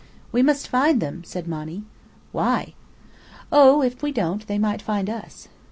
"We must find them," said Monny. "Why?" "Oh, if we don't, they might find us."